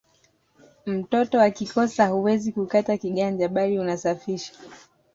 Mtoto akikosea huwezi kukata kiganja bali unasafisha